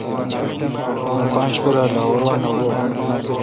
مہ پانچ پرا°لاہور وہ نہ گوئ۔